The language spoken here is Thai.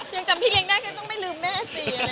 ยังจำพี่เลี้ยงได้ก็ต้องไม่ลืมแม่สิอะไร